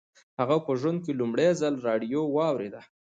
هغه په ژوند کې لومړي ځل راډیو واورېده